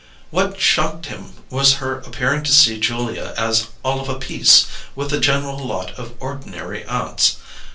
What shocked him was her appearing to see Julia as all of a piece with a general lot of ordinary aunts.